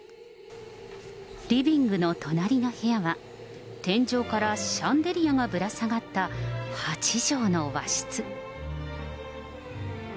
リビングの隣の部屋は、天井からシャンデリアがぶら下がった８畳の和室。